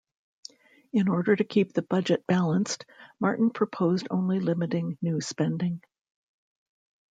In order to keep the budget balanced, Martin proposed only limited new spending.